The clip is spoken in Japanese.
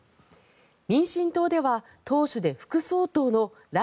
民進党では党首で副総統の頼